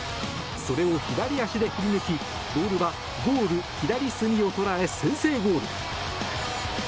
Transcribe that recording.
それを左足で振りぬきボールはゴール左隅を捉え先制ゴール！